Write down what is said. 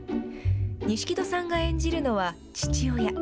錦戸さんが演じるのは父親。